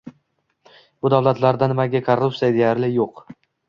Bu davlatlarda nimaga korrupsiya deyarli yo‘q?